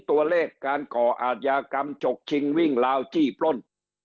ตัวเลขการก่ออาทยากรรมฉกชิงวิ่งลาวจี้ปล้น